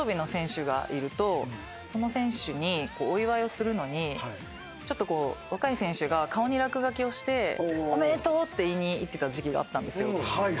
その選手にお祝いをするのに若い選手が顔に落書きをしておめでとうって言いに行ってた時期があったんですよ。